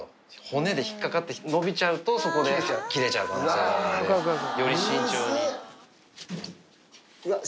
骨で引っ掛かって、伸びちゃうと、そこで切れちゃう可能性があるから、より慎重に。